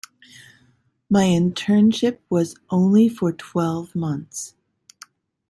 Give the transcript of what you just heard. My internship was only for twelve months.